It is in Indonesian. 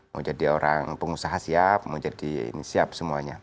mau jadi orang pengusaha siap mau jadi ini siap semuanya